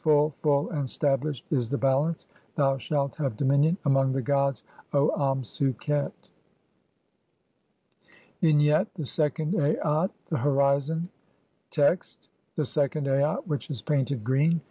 Full, full, "and stablished is the Balance. Thou shalt have dominion among "the gods, O Amsu qet." II. Vignette : The second Aat. The horizon. Text : (1) The second Aat [which is painted] green.